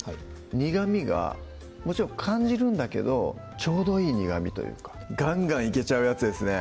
苦みがもちろん感じるんだけどちょうどいい苦みというかがんがんいけちゃうやつですね